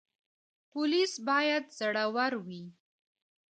پولیس باید زړور وي